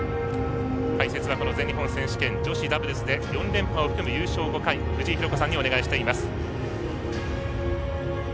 解説は全日本選手権で女子ダブルス４連覇を含む優勝５回藤井寛子さんにお願いしています。